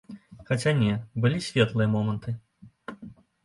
Хаця не, былі светлыя моманты.